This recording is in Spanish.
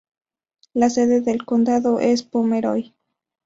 La sede del condado es Pomeroy.